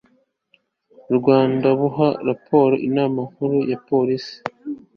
rwanda buha raporo inama nkuru ya polisi